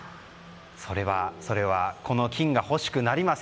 それはそれはこの金が欲しくなります。